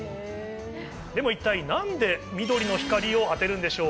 でも一体何で緑の光をあてるんでしょう？